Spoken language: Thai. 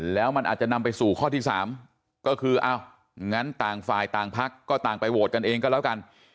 แล้วมันอาจจะนำไปสู่ข้อที่๓ก็คืออ้าวงั้นต่างฝ่ายต่างพักก็ต่างไปโหวตกันเองก็แล้วกัน